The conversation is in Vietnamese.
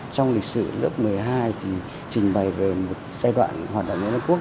trong lịch sử lớp một mươi hai thì trình bày về một giai đoạn hoạt động nguyễn ây quốc